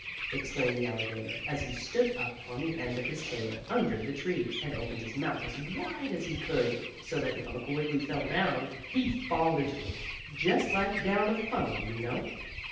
exclaimed the alligator, as he stood up on the end of his tail under the tree, and opened his mouth as wide as he could so that if Uncle Wiggily fell down he'd fall into it, just like down a funnel, you know.